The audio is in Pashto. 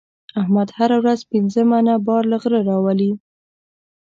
احمد هره ورځ پنځه منه بار له غره راولي.